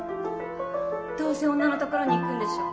どうせ女のところに行くんでしょ。